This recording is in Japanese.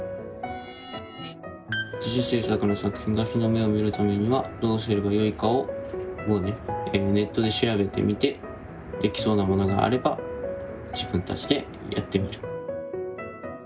自主制作の作品が日の目を見るためにはどうすればよいかをネットで調べてみてできそうなものがあれば自分たちでやってみる。